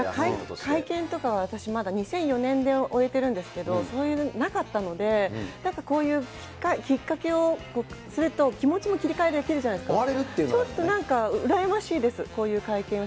会見とかは私まだ２００４年で終えてるんですけど、そういうのがなかったので、なんかこういうきっかけをすると、気持ちも切り替えできるじゃないですか。